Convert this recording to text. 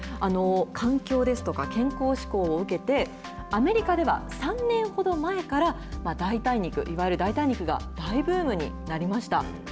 環境ですとか、健康志向を受けて、アメリカでは３年ほど前から代替肉、いわゆる代替肉が大ブームになりました。